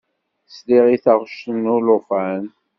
Sliɣ i taɣect n ulufan.